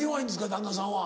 旦那さんは。